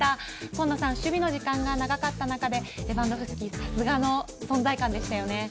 今野さん、守備の時間が長かった中でレバンドフスキ、さすがの存在感でしたよね。